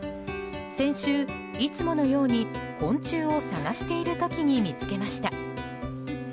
先週、いつものように昆虫を探している時に見つけました。